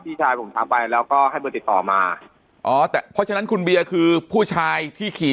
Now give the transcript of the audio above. พี่ชายผมทำไปแล้วก็ให้เบอร์ติดต่อมาอ๋อแต่เพราะฉะนั้นคุณเบียร์คือผู้ชายที่ขี่